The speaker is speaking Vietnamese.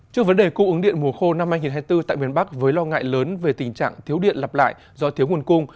trước vấn đề cung ứng điện mùa khô năm hai nghìn hai mươi bốn tại miền bắc với lo ngại lớn về tình trạng thiếu điện lặp lại do thiếu nguồn cung